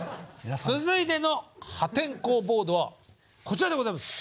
続いての破天荒ボードはこちらでございます。